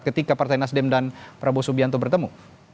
ketika partai nasdem dan prabowo subianto bertemu